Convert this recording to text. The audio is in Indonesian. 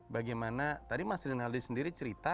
bagaimana tadi mas rinaldi sendiri cerita